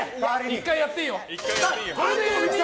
１回やっていいよ。